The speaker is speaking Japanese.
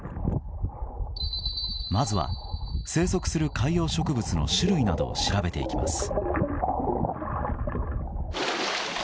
まずは、生息する海洋植物の種類などを調べていきます。